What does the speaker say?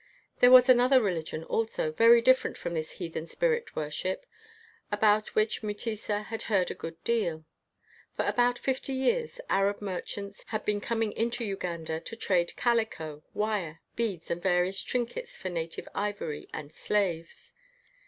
There was another religion also, very dif ferent from this heathen spirit worship, about which Mutesa had heard a good deal. For about fifty years, Arab merchants had been coming into Uganda to trade calico, wire, beads, and various trinkets for native ivory and slaves.